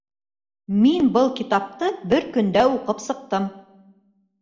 Мин был китапты бер көндә уҡып сыҡтым